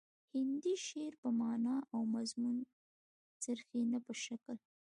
هندي شعر په معنا او مضمون څرخي نه په شکل